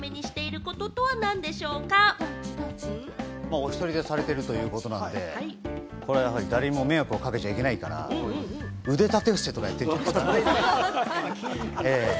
お１人でされているということなので、誰にも迷惑をかけちゃいけないから、腕立て伏せとかやってるんじゃないですか？